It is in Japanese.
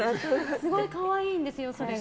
すごい可愛いんですよ、それが。